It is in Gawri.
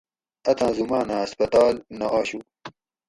اتھاں زُمانہ ہسپتال نہ آشو